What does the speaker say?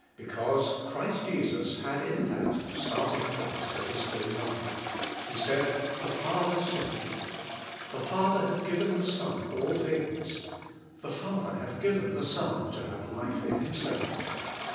Because Christ Jesus had in that the start ing point of His whole life. He said: "The Father sent me;" "The Father hath given the Son all things;" "The Father hath given the Son to have life in Himself."